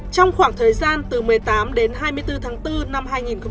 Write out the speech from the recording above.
trong khoảng thời gian từ một mươi tám đến hai mươi bốn tháng bốn năm hai nghìn hai mươi